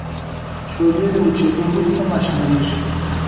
شولې له وچیدو وروسته ماشینیږي.